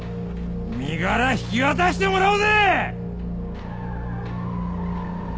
身柄引き渡してもらうぜ！